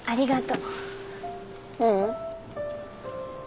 ううん。